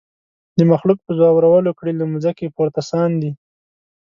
د مخلوق په زورولو کړي له مځکي پورته ساندي